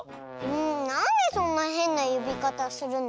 なんでそんなへんなよびかたするの？